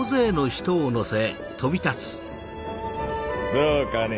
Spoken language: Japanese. どうかね？